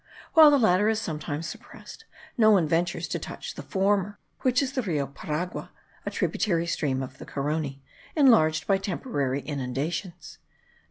While the latter is sometimes suppressed, no one ventures to touch the former,* which is the Rio Paragua (a tributary stream of the Caroni) enlarged by temporary inundations.